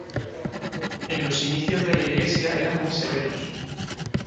En los inicios de la Iglesia eran muy severos.